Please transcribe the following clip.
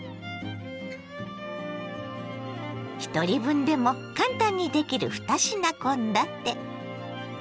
ひとり分でも簡単にできる２品献立。